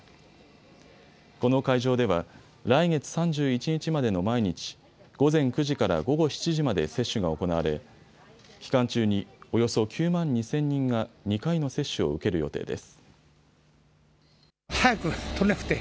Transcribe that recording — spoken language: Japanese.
この会場では来月３１日までの毎日、午前９時から午後７時まで接種が行われ期間中におよそ９万２０００人が２回の接種を受ける予定です。